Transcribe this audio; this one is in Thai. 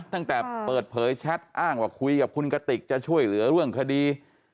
ตั้งแต่เปิดเผยแชทอ้างว่าคุยกับคุณกติกจะช่วยเหลือเรื่องคดี